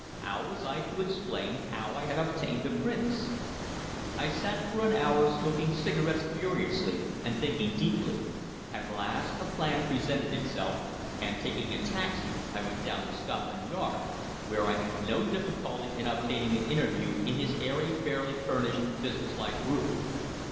How was I to explain how I had obtained the prints? I sat for an hour smoking cigarettes furiously and thinking deeply. At last a plan presented itself, and taking a taxi I went down to Scotland Yard, where I had no difficulty in obtaining an interview in his airy, barely furnished business like room.